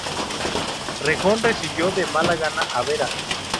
Rejón recibió de mala gana a Vera.